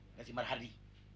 nggak si marhardi